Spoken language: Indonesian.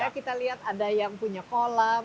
kita lihat ada yang punya kolam